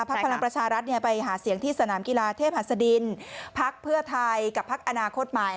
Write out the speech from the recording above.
พลังประชารัฐไปหาเสียงที่สนามกีฬาเทพหัสดินพักเพื่อไทยกับพักอนาคตใหม่